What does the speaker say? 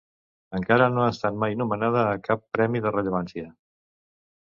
Encara no ha estat mai nomenada a cap premi de rellevància.